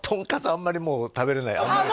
あんまりもう食べれないああ